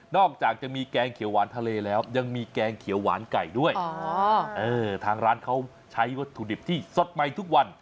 อกจากจะมีแกงเขียวหวานทะเลแล้วยังมีแกงเขียวหวานไก่ด้วยทางร้านเขาใช้วัตถุดิบที่สดใหม่ทุกวัน